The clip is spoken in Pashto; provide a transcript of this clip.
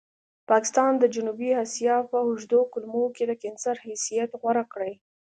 پاکستان د جنوبي اسیا په اوږدو کولمو کې د کېنسر حیثیت غوره کړی.